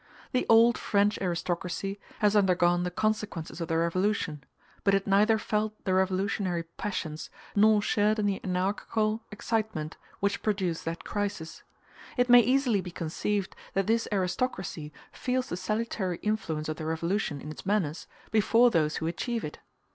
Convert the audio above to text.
The old French aristocracy has undergone the consequences of the Revolution, but it neither felt the revolutionary passions nor shared in the anarchical excitement which produced that crisis; it may easily be conceived that this aristocracy feels the salutary influence of the Revolution in its manners, before those who achieve it.